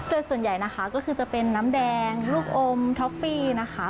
โดยส่วนใหญ่นะคะก็คือจะเป็นน้ำแดงลูกอมท็อฟฟี่นะคะ